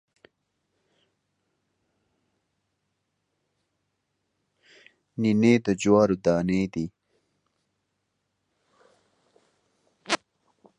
نینې د جوارو دانې دي